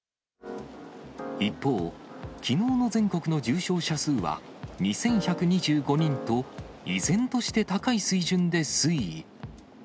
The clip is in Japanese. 一方、きのうの全国の重症者数は２１２５人と、依然として高い水準で推移。